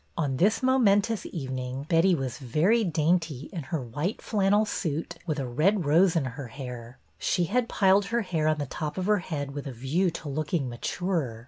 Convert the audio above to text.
On this momentous evening Betty was very dainty in her white flannel suit, with a red rose in her hair. She had piled her hair on the top of her head with a view to looking mature.